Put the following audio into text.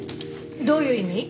どういう意味？